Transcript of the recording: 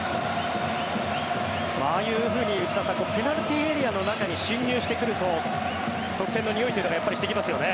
ああいうふうに内田さんペナルティーエリアの中に進入してくると得点のにおいというのがしてきますよね。